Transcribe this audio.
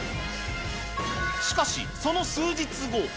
しかしその数日後。